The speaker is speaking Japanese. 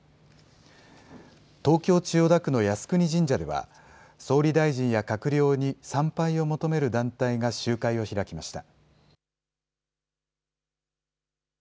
東京千代田区の靖国神社では総理大臣や閣僚に参拝を求める団体が集会を開きました。